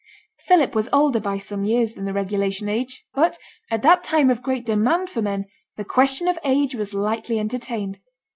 Philip was older by some years than the regulation age; but, at that time of great demand for men, the question of age was lightly entertained.